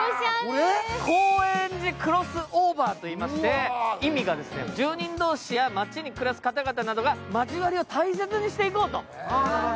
ＫＯＥＮＪＩＣｒｏｓｓｏｖｅｒと言いまして意味が住人同士や街に暮らす方々などが交わりを大切にしていこうと。